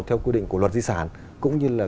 theo quy định của luật di sản cũng như